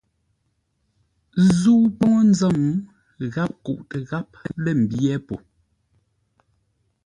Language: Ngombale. Zə̂u póu nzə́m, gháp kuʼtə gháp lə̂ mbyé po.